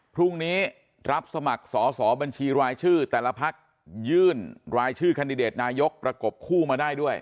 พรุ่งนี้รับสมัครสอสอบัญชีรายชื่อแต่ละพักยื่นรายชื่อแคนดิเดตนายกประกบคู่มาได้ด้วย